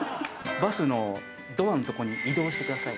バスのドアのとこに移動してください。